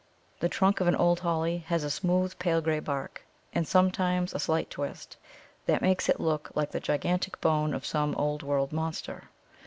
The trunk of an old Holly has a smooth pale grey bark, and sometimes a slight twist, that makes it look like the gigantic bone of some old world monster.